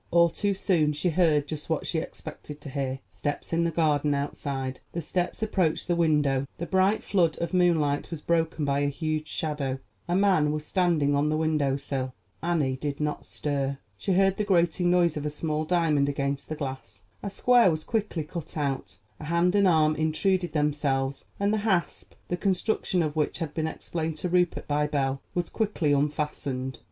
All too soon she heard just what she expected to hear—steps in the garden outside; the steps approached the window. The bright flood of moonlight was broken by a huge shadow; a man was standing on the window sill. Annie did not stir. She heard the grating noise of a small diamond against the glass; a square was quickly cut out, a hand and arm intruded themselves, and the hasp, the construction of which had been explained to Rupert by Belle, was quickly unfastened.